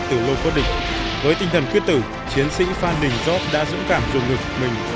từ lô cốt địch với tinh thần quyết tử chiến sĩ phan đình giót đã dũng cảm dùng ngực mình